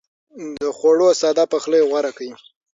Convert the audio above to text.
د خوړو ساده پخلی غوره کړئ.